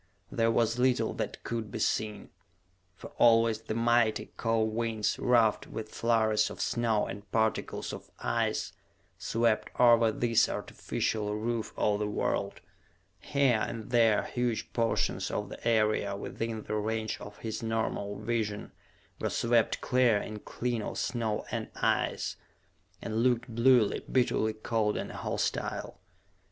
There was little that could be seen, for always the mighty, cold winds, ruffed with flurries of snow and particles of ice, swept over this artificial roof of the world. Here and there huge portions of the area within the range of his normal vision were swept clear and clean of snow and ice and looked bluely, bitterly cold and hostile.